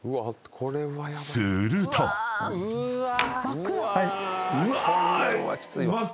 ［すると］うわ！